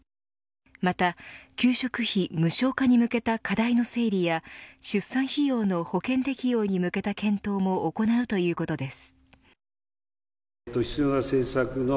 また給食費無償化に向けた課題の整理や出産費用の保険適用に向けた検討も行うということです。